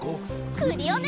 クリオネ！